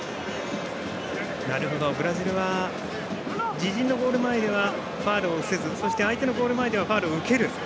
ブラジルは自陣のゴール前ではファウルをせずそして相手のゴール前ではファウルを受ける。